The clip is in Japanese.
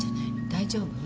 大丈夫？